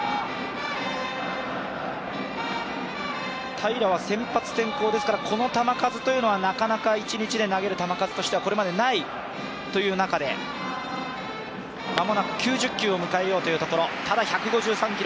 平良は先発転向ですからこの球数というのは、なかなか一日で投げる球数としてはない中で、まもなく９０球を迎えようというところ。